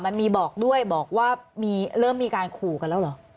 มันมีบอกด้วยบอกว่าเริ่มมีการขู่กันแล้วเหรอ